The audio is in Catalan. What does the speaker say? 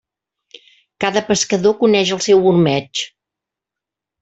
Cada pescador coneix el seu ormeig.